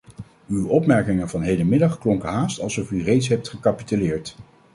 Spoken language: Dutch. Uw opmerkingen van hedenmiddag klonken haast alsof u reeds hebt gecapituleerd.